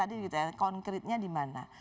tadi kita lihat konkretnya di mana